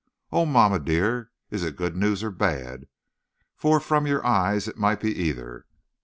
Oh, mamma, dear! is it good news or bad? for from your eyes it might be either.